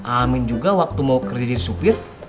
amin juga waktu mau kerja jadi supir